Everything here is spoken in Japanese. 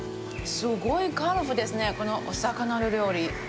すごいカラフルですね、このお魚の料理。